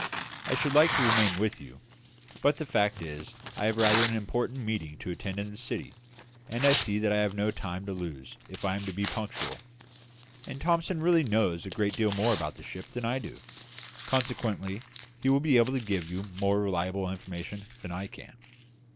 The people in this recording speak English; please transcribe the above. I should like to remain with you; but the fact is that I have rather an important meeting to attend in the City; and I see that I have no time to lose if I am to be punctual. And Thomson really knows a great deal more about the ship than I do; consequently he will be able to give you more reliable information than I can."